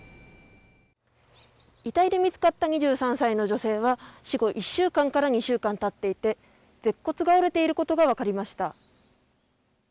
遺体で見つかった２３歳の女性は死後１週間から２週間経っていて舌骨が折れていることが分かりました。